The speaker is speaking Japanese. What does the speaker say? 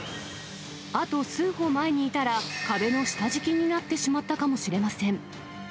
あと数歩前にいたら、壁の下敷きになってしまったかもしれません。